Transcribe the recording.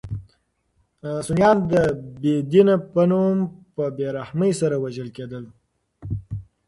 سنیان د بې دین په نوم په بې رحمۍ سره وژل کېدل.